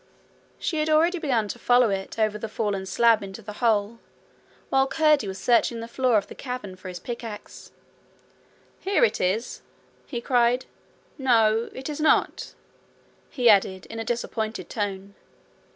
She had already begun to follow it over the fallen slab into the hole, while Curdie was searching the floor of the cavern for his pickaxe. 'Here it is!' he cried. 'No, it is not,' he added, in a disappointed tone.